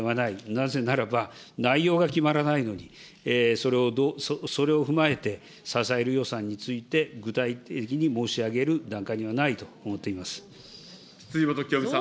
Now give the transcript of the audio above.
なぜならば、内容が決まらないのに、それを踏まえて、支える予算について具体的に申し上げる段階にはないと思っており辻元清美さん。